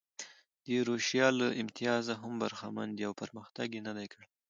د ایروشیا له امتیازه هم برخمن دي او پرمختګ یې نه دی کړی.